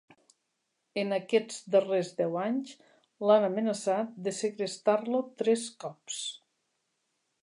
En aquests darrers deu anys l'han amenaçat de segrestar-lo tres cops.